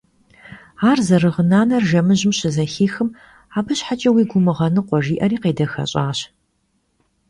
Ar zerığınaner jjemıjım şızexixım: abı şheç'e vuigu vumığenıkhue, – jji'eri khêdexeş'aş.